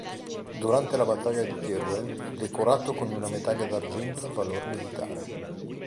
Durante la battaglia di Teruel fu decorato con una Medaglia d'argento al valor militare.